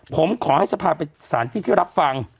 ผมขอให้สภาวะเป็นศาลที่ได้รับฟัง